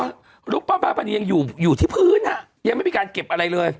บอกลูกป้าป้าปะนี่ยังอยู่ที่พื้นอะยังไม่มีการเก็บอะไรเลย